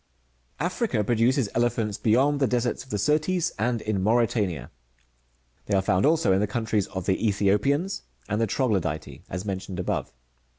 Africa produces elephants, beyond the deserts of the Syrtes, and in Mauritania : they are found also in the countries of the ^Ethiopians and t^e Troglodytce, as mentioned above.